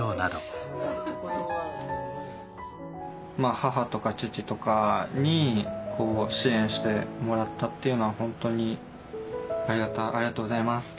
母とか父とかに支援してもらったっていうのはホントにありがとうございます。